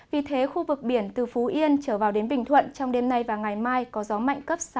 vì thế khu vực biển từ phú yên trở vào đến bình thuận trong đêm nay và ngày mai có gió mạnh cấp sáu